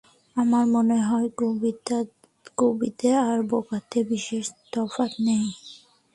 আমার মনে হয়, কবিতে আর বোকাতে বিশেষ তফাত নেই।